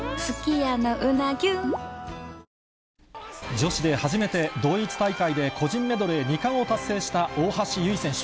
女子で初めて、同一大会で個人メドレー２冠を達成した大橋悠依選手。